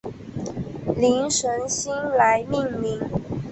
灵神星来命名。